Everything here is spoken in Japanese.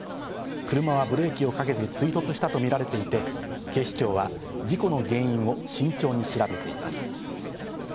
車はブレーキをかけず追突したとみられていて、警視庁は事故の原因を慎重に調べています。